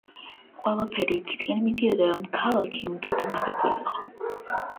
ყველაფერი იქითკენ მიდიოდა, რომ ქალაქი უნდა დანებებულიყო.